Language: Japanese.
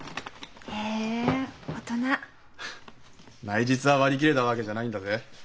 内実は割り切れたわけじゃないんだぜ。